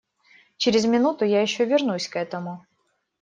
Через минуту я еще вернусь к этому.